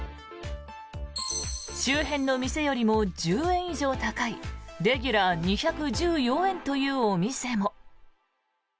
周辺の店よりも１０円以上高いレギュラー２１４円というお店も。